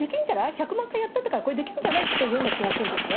１００万回やったから、これできるんじゃない？っていうような感じがするんですね。